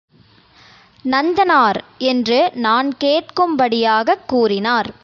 நந்தனார்! என்று நான் கேட்கும் படியாகக் கூறினார்.